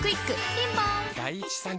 ピンポーン